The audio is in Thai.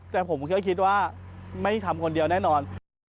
แต่ผมแค่คิดว่าไม่ทำคนเดียวแน่นอน